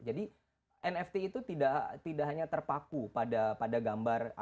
jadi nft itu tidak hanya terpaku pada gambar